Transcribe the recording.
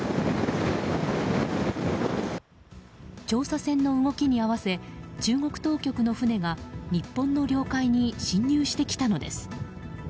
調査船の動きに合わせ中国当局の船が日本の領海に侵入してきたのです。